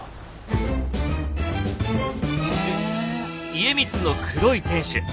家光の黒い天守。